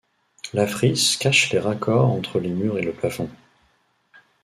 la frise cache les raccords entre les murs et le plafond